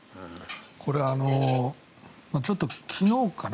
これはちょっと昨日かな